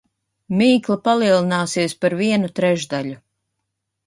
Mīkla palielināsies par vienu trešdaļu.